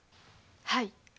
はい。